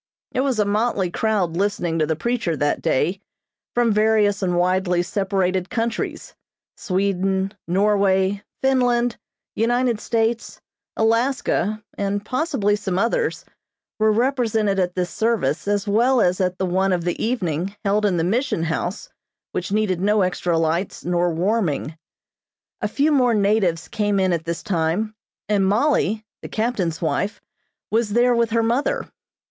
It was a motley crowd listening to the preacher that day, from various and widely separated countries, Sweden, Norway, Finland, United States, Alaska and possibly some others, were represented at this service as well as at the one of the evening held in the Mission House which needed no extra lights nor warming. A few more natives came in at this time, and Mollie, the captain's wife, was there with her mother.